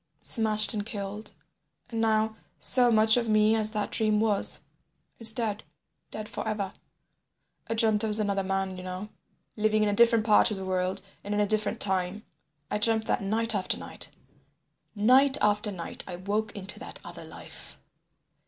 "Smashed and killed, and now, so much of me as that dream was, is dead. Dead forever. I dreamt I was another man, you know, living in a different part of the world and in a different time. I dreamt that night after night. Night after night I woke into that other life.